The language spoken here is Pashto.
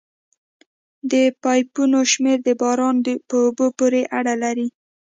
د پایپونو شمېر د باران په اوبو پورې اړه لري